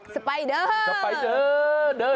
สปายเดอร์